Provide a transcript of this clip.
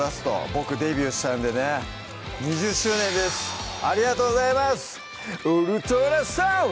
僕デビューしたんでね２０周年ですありがとうございます「ウルトラソウル」